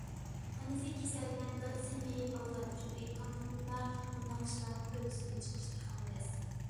ئانىسى كېسەلمەن، دادىسى مېيىپ بالىلار ئۈچۈن ئېيتقاندا بۇنداق ئىشلارنىڭ ھۆددىسىدىن چىقىش تېخىمۇ تەس.